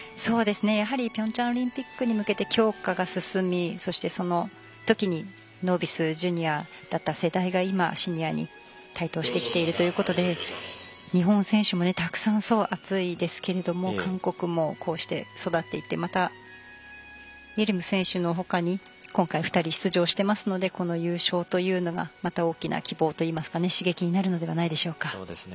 やはりピョンチャンオリンピックに向けて強化が進みそして、その時にノービスジュニアだった世代が今、シニアに台頭してきているということで日本選手もたくさん層厚いですけども韓国もまたこうして育っていってまたイェリム選手の他に２人出場していますのでこの優勝というのが大きな希望というか、刺激になるのではないでしょうか。